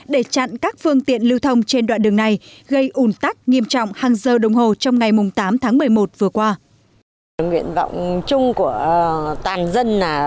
để chặn các phương tiện lưu thông trên đoạn đường này gây ủn tắc nghiêm trọng hàng giờ đồng hồ trong ngày tám tháng một mươi một vừa qua